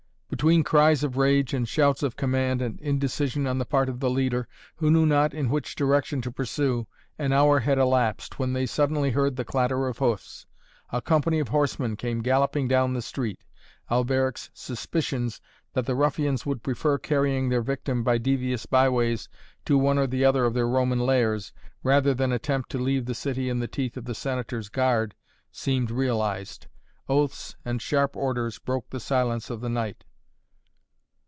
Between cries of rage and shouts of command and indecision on the part of the leader, who knew not in which direction to pursue, an hour had elapsed, when they suddenly heard the clatter of hoofs. A company of horsemen came galloping down the street. Alberic's suspicions that the ruffians would prefer carrying their victim by devious byways to one or the other of their Roman lairs, rather than attempt to leave the city in the teeth of the Senator's guard, seemed realized. Oaths and sharp orders broke the silence of the night.